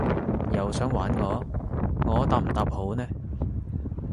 又想玩我？我答唔答好呢？